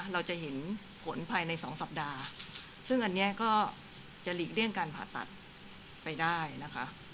เราจะเห็นผลภายใน๒สัปดาห์ซึ่งอันนี้ก็จะหลีกเลี่ยงการผ่าตัดไปได้นะคะ